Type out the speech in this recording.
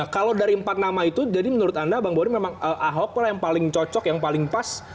kalau dari empat nama itu jadi menurut anda bang boni memang ahok yang paling cocok yang paling pas